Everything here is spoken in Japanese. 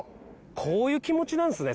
こういう気持ちなんですね。